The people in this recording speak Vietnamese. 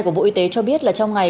của bộ y tế cho biết là trong ngày